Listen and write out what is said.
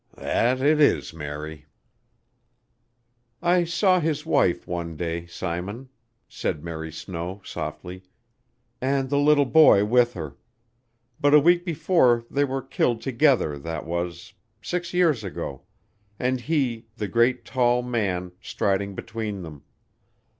"That it is, Mary." "I saw his wife one day, Simon," said Mary Snow softly, "and the little boy with her. But a week before they were killed together that was; six years ago, and he, the great, tall man, striding between them.